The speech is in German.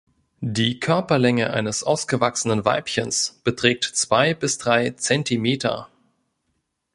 Die Körperlänge eines ausgewachsenen Weibchens beträgt zwei bis drei Zentimeter.